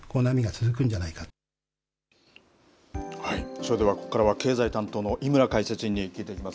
それではここからは、経済担当の井村解説委員に聞いていきます。